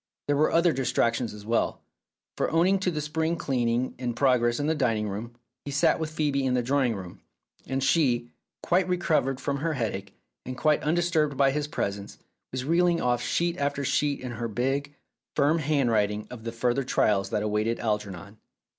There were other distractions as well, for owing to the spring cleaning in progress in the dining room, he sat with Phcebe in the drawing room, and she, quite recovered from her headache, and quite undisturbed by his presence, was reeling off sheet after sheet in her big, firm hand writing of the further trials that awaited Algernon.